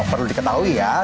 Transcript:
perlu diketahui ya